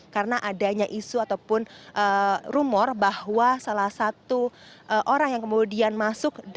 karena adanya isu ataupun rumor bahwa salah satu orang yang kemudian masuk